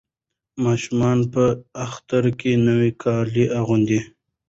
ماشومان په اختر کې نوي کالي اغوندي.